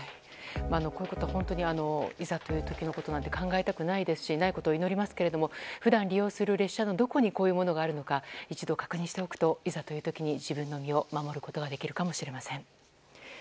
こういうこと、本当にいざという時のことは考えたくないですしないことを祈りますが普段、利用する電車のどこにこういうものがあるのか一度確認しておくといざという時に自分の身を守ることができるかもしれません。